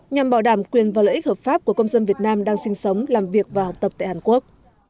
nhằm bảo đảm quyền và lợi ích hợp pháp của công dân việt nam đang sinh sống làm việc và học tập tại hàn quốc